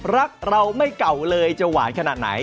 รักเราไม่เก่าเลยจะหวานขนาดไหน